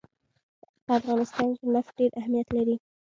په افغانستان کې نفت ډېر اهمیت لري.